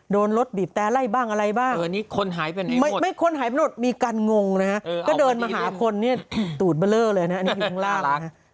โดนรถบีบแต้ไล่บ้างอะไรบ้างคนหายไปในหมดมีกันงงนะครับก็เดินมาหาคนตูดเบลอเลยนะอยู่ข้างล่าง